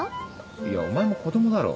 いやお前も子供だろ。